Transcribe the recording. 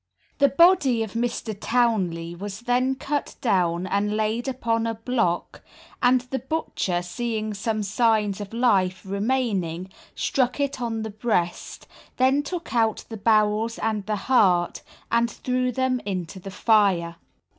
The body of Mr. Townley was then cut down and laid upon a block, and the butcher seeing some signs of life remaining, struck it on the breast, then took out the bowels and the heart, and threw them into the fire.